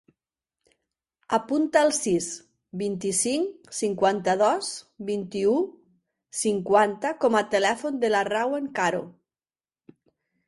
Apunta el sis, vint-i-cinc, cinquanta-dos, vint-i-u, cinquanta com a telèfon de la Rawan Caro.